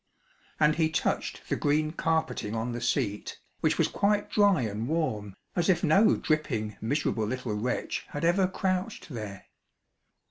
And he touched the green carpeting on the seat, which was quite dry and warm, as if no dripping, miserable little wretch had ever crouched there.